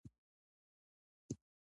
ایا زه باید مساله دار خواړه وخورم؟